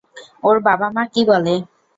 ওর বাবা মা কি বলে?